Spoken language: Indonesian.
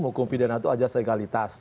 hukum pidana itu ajak segalitas